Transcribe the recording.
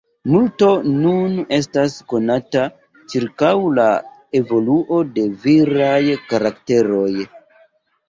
Multo nun estas konata ĉirkaŭ la evoluo de viraj karakteroj.